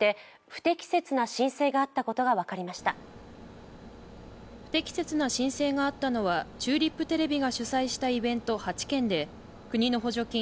不適切な申請があったのはチューリップテレビが主催したイベント８件で国の補助金